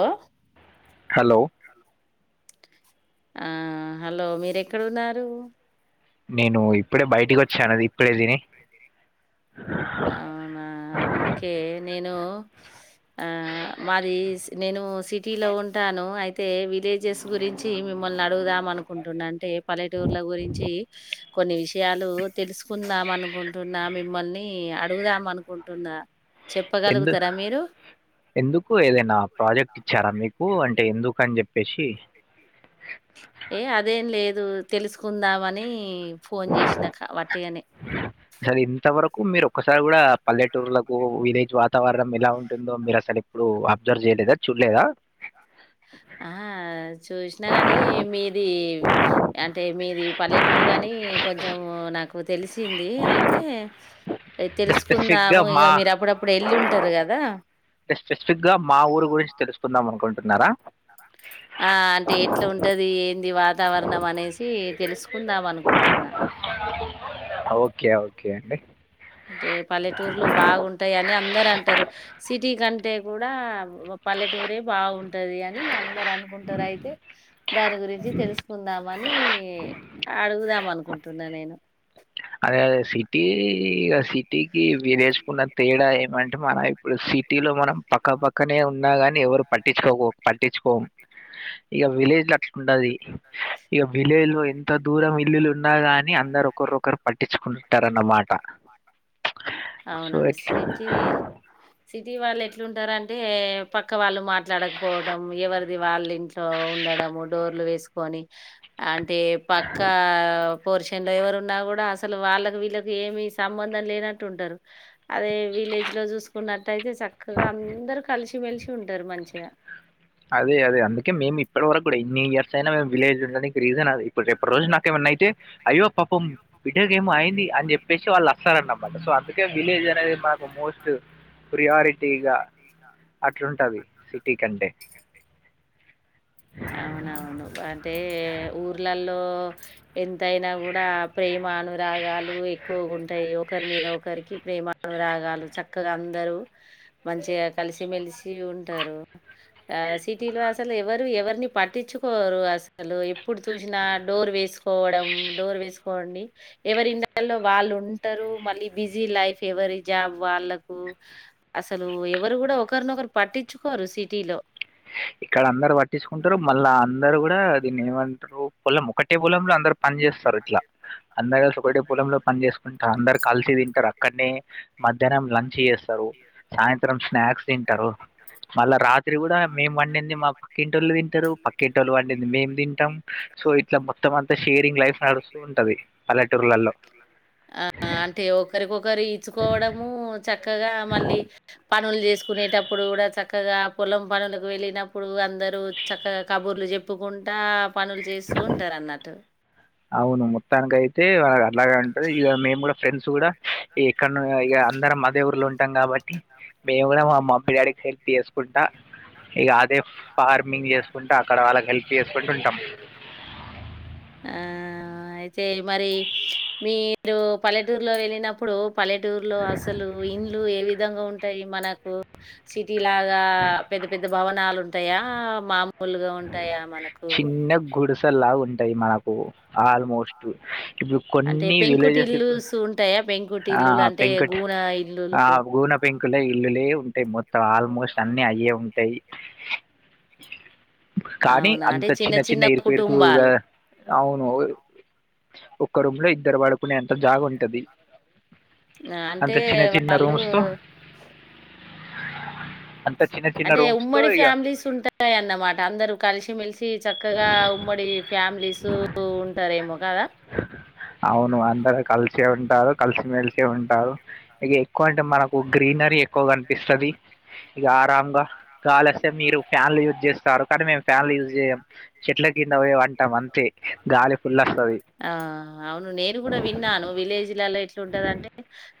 Hello hello ఆ hello మీరెక్కడున్నారు నేనూ ఇప్ ఇప్పుడే బయటకొచ్చాను అది ఇప్పుడే తిని అవునా ఓకే నేనూ ఆ మాదీ నేను సిటీ లో ఉంటాను అయితే విలేజెస్ గురించి మిమ్మల్ని అడుగుదాం అనుకుంటున్నా అంటే పల్లెటూర్ల గురించి కొన్ని విషయాలు తెలుసుకుందాం అనుకుంటున్నా మిమ్మల్ని నీ అడుగుదాం అనుకుంటున్నా ఎందు చెప్పగలుగుతారా మీరు ఎందుకు ఏదైనా ప్రాజెక్ట్ ఇచ్చారా మీకు అన్ టే ఎందుకన్ చెప్పేసి ఏ అదేం లేదు తెలుసుకుందామనీ ఫోన్ చేష్నాక వటి అని అసలు ఇంతవరకు మీరు ఒక్కసారి కూడా పల్లెటూర్లకు విలేజ్ వాతావరణం ఎలా ఉంటుందో మీరు అసలు ఎప్పుడు అబ్జర్వ్ చేయలేదా చూడలేదా ఆ చూస్నా కాని మీదీ అంటే మీది పల్లెటూరు అనీ కొంచెం నాకు తెలిసింది అయితే స్పెసిఫిక్ గ తెలుసుకుందాము ఇక మా మీరు అప్పుడప్పుడు వెళ్ళి ఉంటారు కదా స్పెసిఫిక్ గ మా ఊరు గురించి తెలుసుకుందాం అనుకుంటు టున్నారా ఆ అంటే ఎట్లు ఉంటది ఏం ఇది వాతావరణం అనేసీ తెలుసుకుందాం అనుకుంటున్నా కే ఓకే అండి అంటే పల్లెటూర్లు బాగుంటాయి అని అందరు అంటారు సిటీ కంటే కూడా పల్లెటూరే బాగుంటది అని అందర్ అనుకుంటరు అయితె దాని గురించి తెలుసుకుందామనీ అడుగుదాం అనుకుంటున్నా నేను అదె అదె సిటీ ఇక సిటీకి విలేజ్ కున్న తేడా ఏమంటె మన ఇప్పుడు సిటీలొ మనం పక్క పక్కనే ఉన్నాగాని ఎవరు పట్టించుకొపోమ్ పట్టించుకోమ్ ఇక విలేజ్ లో అట్లు ఉండది ఇక విలేజ్ లో ఎంత దూరం ఇల్లులు ఉన్నా గానీ అందరు ఒకరువొకరు పట్టించుకుంటరన్న మాట్ అవునవును ఇట్లా సిటీ, సిటీ వాల్ ఎ ట్లవుంటారంటే పక్ క్క వాళ్ళు మాట్లాడక్ పోవటం ఎవరిది వాళ్ళింట్లో ఉండడము డోర్లు వేస్ పోని అంన్ తే పక్కావ్ పోర్షన్ లో ఎవరున్నా కూడా అసలు వాళ్ళకు వీళ్ళకి ఏమిస్ సంబంధం లేనట్టు ఉంటరు. అదే విలేజ్ లో చూసుకున్నట్టయైతే సక్కగా అందరూ కల్సిమెల్సి సుంటారు మంచిగా అదే అదే అందుకే మేమ్ ఇప్పటి వరకు కూడా ఎన్ని ఇయర్ సైన మేమ్ విలేజ్ ఉంననీకి తిరిగిన నాది ఇప్పర్ రేపడ్ రోజు నాకేమన్నా అయితే అయ్యో పాపం బి డ్డకు ఏమో అయింది అని చెప్పేసి వాళ్ళు వస్సారన్నబట్ సో అందుకే విలేజ్ అనేది మాకు మోస్ట్ ప్రియారిటీగా అట్లుంటాది, సిటీ కంటే అవునవును అంటే ఊర్లల్ లో ఎంతయినా కూడా ప్రేమాను రాగాలు చక్కగా అందరు మంచిగా కలిసిమెలిసి ఉంటారు, ఆ సిటీలో అసల ఎవరు ఎవర్ని పట్టించుకోరు అసలు ఎప్పుడు చూసినా డోర్ వేసుకోవడం, డోర్ వేసుకోని ఎవరి ఇండ లో వాళ్ళు ఉంటారు మళ్ళీ బిజీ లైఫ్ ఎవరి జాబ్ వాళ్ళకు, అసలు ఎవరు కూడా ఒకరినొకరు పట్టించుకోరు సిటీలో ఇక్కడ అందరు పట్టించుకుంటారు మళ్ళా అందరు కూడా దీన్ని ఏవంట్రు పొలం ఒకటే పొలంలో అందరు పని చేస్సారు ఇట్ల అందరు కల్సి ఒకటే పొలంలో పని చేసుకుంటా అందరు కలిసి తింటరు అక్కన్నే మధ్యనం లంచ్చి ఎస్సరు, సాయంత్రం స్నాక్స్ తింటరు, మళ్ళ రాత్రి కూడా మేం వండింది మా పక్కింటోళ్ళు ఇంటరు, పక్కింటోళ్ళు వండింది మేమ్ తింటం, సో ఇట్ల మొత్తం అంతా షేరింగ్ లైఫ్ నడుస్సూ ఉంటది. పల్లెటూర్ ల్లలో ఆ! అంటే క్కగా మళ్ళీ పనుల్ చేస్ సుకునేటప్పుడు కూడా చక్కగా పొలం పనులకు వెళ్ళినప్పుడు అందరు చక్కగ కబుర్లు చెప్పుకుంటా పనులు చేస్సు ఉంటారన్నట్టు అవును, మొత్తానికి అయితే వాగ అట్లాగ ఉంటంది. ఇగ మేమ్ కూడా ఫ్రెండ్స్ కూడా ఎక్కన్ను ఇగ అందరం అదే ఊర్లో ఉంటాం గాబట్టి, మేము కూడా మా మమ్మీ డాడీకి హెల్ప్ చేసుకుంటా ఇగ అదే ఫార్మింగ్ చేసుకుంటూ అక్కడ వాళ్ళక్ హెల్ప్ చేసుకుంటూ ఉంటం. ఆ అయితే మరి మీరు పల్లెటూరులో వెళ్ళినప్పుడు పల్లెటూరులో అసలు ఇండ్లు ఏవి విధంగా ఉంటాయి మనకు సి ఇలాగా పెద్ద పెద్ద భవనాలు ఉ ఉంటాయా మాం ఫుల్లుగా ఉంటాయా మనకు టయి మనకు ఆల్మోస్టు అంటే పెంకుటి ఇల్లుస్ ఉంటాయా పెంకుటి ఆ! ఇల్లులు అంటే గూన ఇల్లులు కుల ఇల్లులే ఉంటాయి మొత్తం ఆల్మోస్ట్ అన్ని అయే ఉంటయి కానీ అవునా అంటే అంత చిన్న చిన్న ఇరుకు ఇరుకుగా కుటుంబాలు అవును ఒక్క రూమ్ లో ఇద్దరు పడుకునే అంత జాగ ఉంటది అంటే వాళ్ళు తో అంత చిన్న చిన్న అంటే రూమ్స్ తో ఉమ్మడి ఇక ఫ్యామిలీస్ ఉంటాయిన్నమాట ట అందరూ కలిసి మెలిసి సి చక్కగా ఉమ్మడి ఫ్యామిలీస్ ఉంటారేమో కాదా అవును అందరు కలిసి ఉంటారు కలిసిమెలిసి ఉంటారు ఇక ఎక్కువ అంటే మనకు గ్రీనరీ ఎక్కువ కనిపిస్తది ఇక ఆరాంగా గాలస్తే మీరు ఫ్యాన్లు యూజ్ చేస్తారు కానీ మేము ఫ్యాన్లు యూజ్ చేయ్యం చెట్ల కింద పోయి వంటాం అంతే గాలి ఫుల్ వస్తది ఆ అవును నేను కూడా విన్నాను విలేజ్ లలో ఎట్లుంటదంటే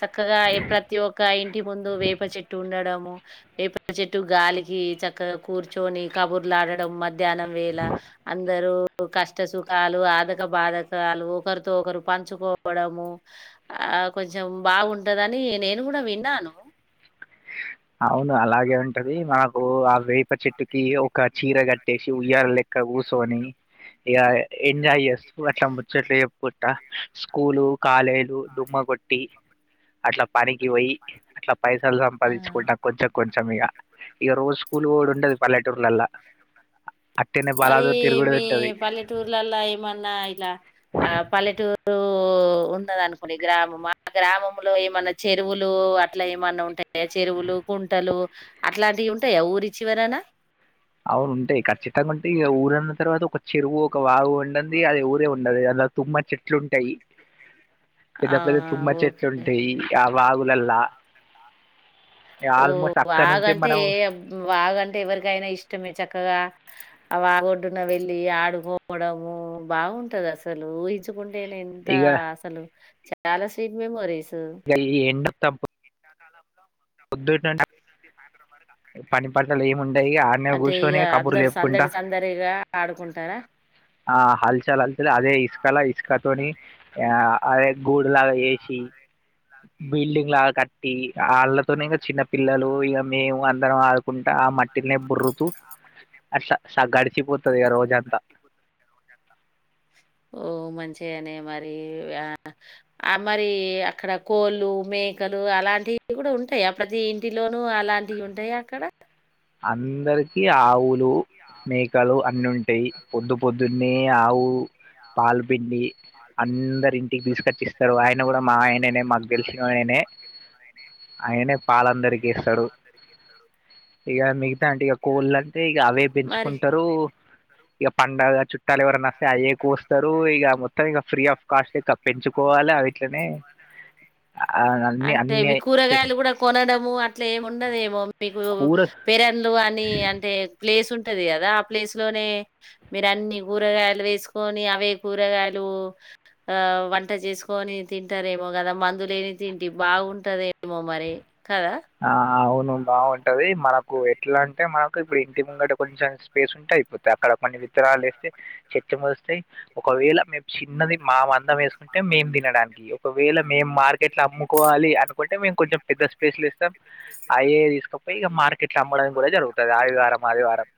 చక్కగా ప్రతి ఒక్క ఇంటి ముందు వేప చెట్టు ఉండడము వేప చెట్టు గాలికి చక్కగా కూర్చొని కబుర్లులాడ డం మన్ మధ్యానం వేళ అందరూ కష్ట సుఖాలు ఆదక బాదకాలు ఒకరితో ఒకరు పంచుకోవడము ఆ కొంచెం బాగుంటదని నేను గుడా విన్నాను అవును అలాగే ఉంటది మాకు ఆల్ వేప చెట్టుకి ఒక చీర కట్టేసి ఉయ్యాల లెక్క కూసొని ఇక ఎంజాయ్ చేస్తూ అట్లా ముచ్చట్లు చెప్పుకుంటా స్కూలు కాలేజ్ డుమ్మ కొట్టి అట్లా పని పోయి అట్ల పైసల్ సంపాదించి స్కూల్ ఆ! ట కొంచెం కొంచెం ఇగా ఇక రోజు స్కూల్ కూడా ఉంటది పల్లెటూర్లల్ల అక్కనే మరి బలాదూర్ తిరుగుడు మీ ఉంటది పల్లెటూర్లలో ఏమన్నా ఓ ఉన్నదనుకోండి గ్రామం ఆ గ్రామంలో ఏమన్నా చే చెరువులు అట్లా ఏమన్నా ఉంటాయా చెరువులు కుంటలు అట్లాంటివి ఉంటాయి ఊరి చివరనా అవును ఉంటాయి ఖచ్చితంగా ఉంటే ఇక ఊరన్న తర్వాత ఒక చెరువు ఒక వాగు ఉండంది అది ఊరే ఉండది అది గాక తుమ్మ చెట్లుంటాయి ఆ పెద్ద పెద్ద తుమ్మా ఓకే చెట్లుంటాయి వాగులల్లా ఓ ఆల్మోస్ట్ అక్కడ నుంచి వాగంటే మనం వాగంటే ఎవరికైనా ఇష్ట్ ష్టమే చక్కగా ఆవాగొడ్డున వెళ్ళీ ఆడుకోవడమూ బాగుంటది అసలూ ఊహించ్ కుంటేనే ఎంతా ఇక అసలు. చాలా స్వీట్ మెమొరీస్. ఇయల ఈ ఎండ చంపు అ పొద్దుటెండ వాట్లల్లా ఏం ఉండ్ అంటే ఇక అందరు సందడి సందడిగా ఆడుకుంటారా. ఆ హల్చల్ హల్చల్ అదే ఇసుకలా ఇసుకతోనీ. ఆ అదే గూడులాగా చేసి, బిల్డింగ్ లాగా కట్టీ, ఆళ్ళతోనే ఇంగ చిన్న పిల్లలూ ఇగ మేము అందరం ఆడుకుంటా ఆ మట్టిన్లే బొర్రుతూ అట్ల గడిచిపోత్ ది ఇగ రోజంతా. ఓ మంచిగానే మరీ. ఆ ఆ మరీ అక్కడ కోళ్ళూ, మేకలూ అలాంటివి కూడా ఉంటయి అ ప్రతి ఇంటిలోనూ అలాంటివి ఉంటాయా అక్కడా. అందరికీ ఆవు లూ, మేకలూ అన్ని ఉంటయి. పొద్దు పొద్దున్నే ఆవు పాల్పిండీ అందరి ఇంటికి తీస్కచ్ ఇస్తరు ఆయన్ ఆయన కూడా మా ఆయననే మాకు తెెలిశిన ఆయననే. ఆయననే పాలందరికీ ఇస్తడు. ఇగ మిగతా అంటే ఇగ కోళ్ళ అంటే ఇగ అవే మరి. పెంచుకుంటరూ. ఇగ పండగ చుట్టాలు ఎవరన్న వస్తే అయే కోస్తరూ ఇగ మొత్తం ఇగ ఫ్రీ ఆఫ్ కాస్ట్ ఇక పెంచుకోవాలె అవిట్ అన్ని అంటే అన్ని అవి కూరగాయలు కూడా కొనడమూ అట్లే ఏముండదు ఏమొ. మీకు కూర పేరన్లు అని అంటే ప్లేస్ ఉంటది గదా, ఆ ప్లేస్ లోనే మీరు అన్నీ కూరగాయలు వేసుకొనీ, అవే కూరగాయలూ ఆ వంట చేసుకొనీ. తింటారేమో గదా మందులేని తిండి బాగుంటదేమో మరి. కదా! ఆ అవున్ ను బాగుంటదీ. మనకు ఎట్లా అంటే మనకు ఇప్పుడు ఇంటి ముంగట కొంచెం స్పేస్ ఉంటే అయిపోతద్. అక్కడ కొన్ని విత్తనాలు వేస్తే చెట్లు మొలుస్తయి. ఒకవేళ మేము చిన్నది మా మందం వేసుకుం టే మేం తినడానికి ఇగ ఒక వేళ మేం మార్ కెట్లా అమ్ముకోవాలీ అనుకుంటే, మేము కొంచెం పెద్ద స్పేస్ లో ఏస్ మార్కెట్లో అమ్మడం కూడా జరుగుతుంది ఆదివారం ఆదివారం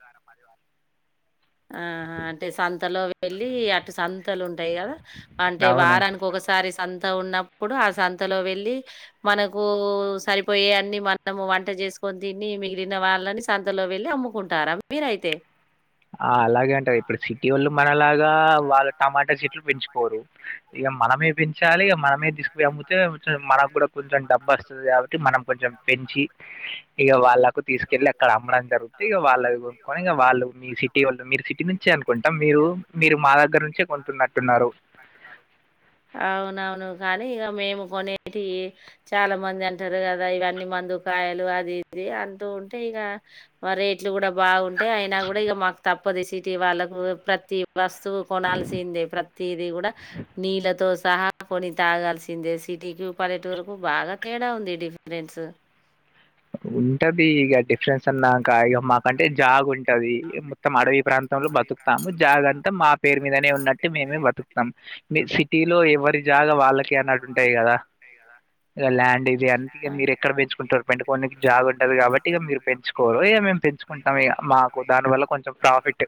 ఆహా అంటే సంత్ తలో వెళ్ళీ అటు సంత్ లు ఉంటయి గదా. అంటే అవును వారానికి ఒకసారి అంత ఉన్నప్పుడు ఆ సంత్ తలో వెళ్ళీ మనకూ సరిపోయే అన్ని మనము వంట చేసుకొన్ తినీ, మిగిలిన వాళ్ళని సంతలో వెళ్ళి అమ్ముకుంటారా మీరైతే. ఆ అలాగే అంటారు. ఇప్పుడు సిటీ వోళ్ళు మనలాగ గ వాళ్ళు టమాటా చెట్లు పెంచుకోరు. ఇగ మనమే పెంచాలి, ఇగ మనమే తీస్ అమ్మితే కొంచం మనకు కూడా కొంచెం డబ్బస్తది కాబట్టి, మనం కొంచెం పెంచి ఇగ వాళ్ళకు తీసుకెళ్ళి అక్కడ అమ్మడం జరుగితే, ఇగ వాళ్ అవి కొనుక్కొని ఇక వాళ్ళు మీ సిటీ వోళ్ళు మీరు సిటీ నుంచే అనుకుంటా. మీరు మీరు మా దగ్గర నుంచే కొంటున్నట్టున్నారు. అవునవును కానీ ఇగ మేము కొనేకి చాలా మంది అంటారు కదా ఇవన్ని మందు కాయలు అది ఇది అంటూ ఉంటే, ఇగ రేట్లు కూడా బాగుంటయి అయినా కూడా ఇగ మాకు తప్పదు ఈ సిటీ వాళ్ళకు ప్రతి వస్తువు కొనాల్సిందే ప్రత్ తీది కూడ నీళ్ళతో సహా కొని తాగాల్సి సిందే. సిటీకి పల్లెటూరుకు బాగా తేడా ఉంది డిఫరెన్స్ ఉంటది ఇగ డిఫ్ ఫ్రెన్స్ అన్నాక ఇగ మాకంటే జాగ్ ఉంటంది. తం అడవి ప్రాన్ తంలొ బతుకుతాము జాగ అంతా మా పేరు మీదనే ఉన్నట్టు మేమే బతుకుతాం. మీ సిటీలో ఎవరి జాగ వాళ్ళకి అన్నట్టు ఉంటాయి కదా, ఇగ ల్యాండ్ ఇది అని ఇగ మీరు ఎక్కడ పెంచుకుంటారు పెంట పోన్నికి జాగ ఉంటది కాబట్టి ఇగ మీరు పెంచుకోరు ఇగ మేము పెంచుకుంటాం ఇగ మాకు ఆ! దాని వల్ల కొంచెం ప్రాఫిట్.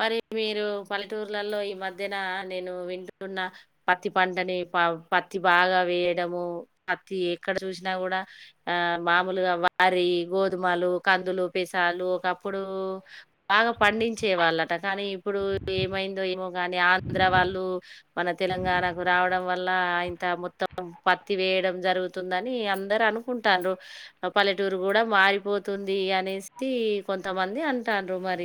మరి మీరు పల్లెటూర్లలో ఈ మధ్యన నేను వింటువున్న పత్తి పంటని ఫా పత్తి బాగా వేయడము అత్తి ఎక్కడ చూసినా కూడా ఆ మామూలుగా వారి, గోధుమలు, కందులు, పెసాలు ఒకప్పుడు బాగా పండించే వాళ్ళన్ ట కానీ ఇప్పుడు ఏమైందో ఏమో కానీ ఆంధ్ర వాళ్ళు మన తెలంగాణకు రావడం వల్ లా ఇంత మొత్తం పత్తి వేయడం జరుగుతుందని అందరు అనుకుంటాండ్రు. పల్లెటూరు కూడా మారిపోతుంది అనేసి కొంతమంది అంటాడ్రు మరి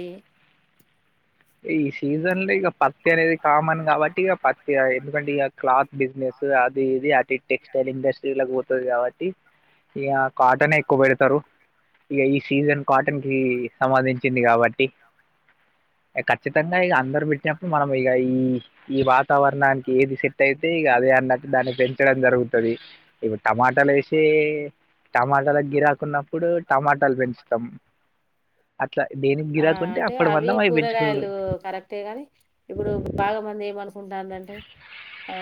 ఈ సీజన్ లో ఇగ పత్తి అనేది కామన్ కాబట్ టి ఇగ పత్తి ఆ ఎందుకంటే ఇగ క్లాత్ బిజినెస్ అది ఇది అ టెక్స్టైల్ ఇండస్ట్రీలకి పో తప్పదు కావట్టి ఇగ కాటన్ ఎక్కువ పెడతారు ఇగ ఈ సీజన్ కాటన్ కి సంబధించింది కాబట్టి ఎ ఖచ్చితంగా ఇగ అందరు పెట్టినప్పుడు మనం ఇగ ఈ ఈ వా వాతావరణానికి ఏది సెట్ అయితే ఇగ అదే అన్నట్టు దాన్ని పెంచడం జరుగుతది. ఇవుడ్ టమాటాలేసి టమాటాల గిరాకున్నప్పుడు, టమాటాలు పెంచుతాం. అట్లా దేనికి గిరాకుంటే, అప్పుడు మనం అవి పెంచు లు కరెక్టే కానీ ఇప్పుడు బాగా మంది ఏమన్ కుసుండ ఆ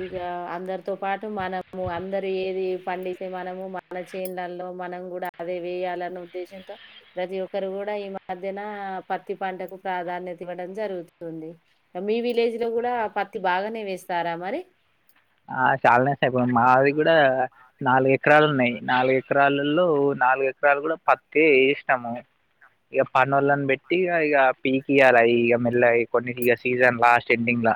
ఇగ అందర్ తో పాటు మనము అందరుూ ఏది పండిస్తే, మనము మన చేన్ళల్లో మనం కూడా అవే వేయాలన్న ఉద్దేశంతో, ప్రతి ఒక్కరు కూడా ఈ మధ్యన పత్తి పంటకు ప్రాధాన్యత ఇవ్వడం జరుగుతుంది. మీ విలేజ్ లో కూడా పత్ తి బాగానే వేస్తారా మరి? ఆ చాలానేస్తయిపో మాది కూడా నాలుగు ఎకరాలు ఉన్నాయి. నాలుగు ఎకరాలల్లో నాలుగు ఎకరాలు కూడా పత్తే ఏసినాము, ఇగ పనోళ్ళన్ పెట్టి ఇగ ఇగ పీకియాల ఇగ మెల్లగ ఈ కొన్ని ఇగ సీజన్ లాస్ట్ ఎండింగ్ ల